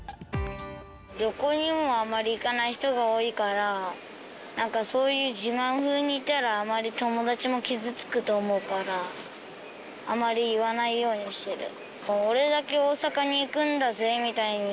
旅行にもあんまり行かない人が多いから、なんかそういう自慢風に言ったらあんまり友達も傷つくと思うから、あまり言わないようにしてる。